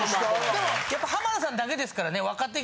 でもやっぱり浜田さんだけですからね。